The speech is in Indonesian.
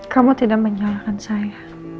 kamu tidak menyalahkan saya